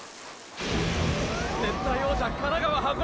絶対王者神奈川箱根